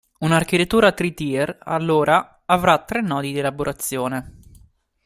Una architettura Three-tier allora avrà tre nodi di elaborazione.